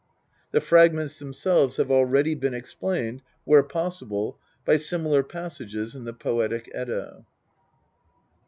The Fragments themselves have already been explained, where possible, by similar passages in the Poetic Edda.